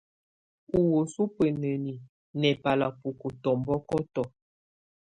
Ɔ wəsu ubeneni nɛbala boko tɔmbɔkɔtɔ.